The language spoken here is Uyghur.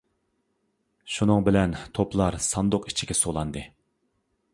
شۇنىڭ بىلەن توپلار ساندۇق ئىچىگە سولاندى.